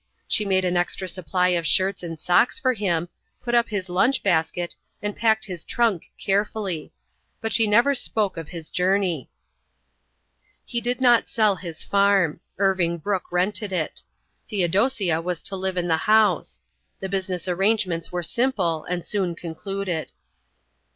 She made an extra supply of shirts and socks for him, put up his lunch basket, and packed his trunk carefully. But she never spoke of his journey. He did not sell his farm. Irving Brooke rented it. Theodosia was to live in the house. The business arrangements were simple and soon concluded.